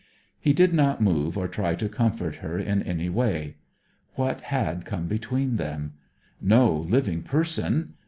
He did not move or try to comfort her in any way. What had come between them? No living person.